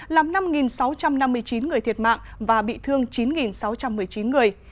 làm năm sáu trăm năm mươi chín người thiệt mạng và bị thương chín sáu trăm một mươi chín người